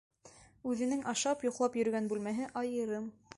Үҙенең ашап-йоҡлап йөрөгән бүлмәһе айырым.